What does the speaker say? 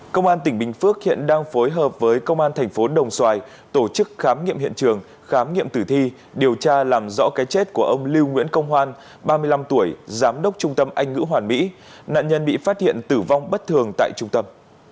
công an tỉnh bình phước hiện đang phối hợp với công an thành phố đồng xoài tổ chức khám nghiệm hiện trường khám nghiệm tử thi điều tra làm rõ cái chết của ông lưu nguyễn công hoan ba mươi năm tuổi giám đốc trung tâm anh ngữ hoàn mỹ nạn nhân bị phát hiện tử vong bất thường tại trung tâm